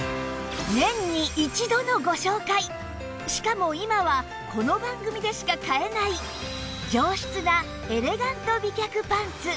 しかも今はこの番組でしか買えない上質なエレガント美脚パンツ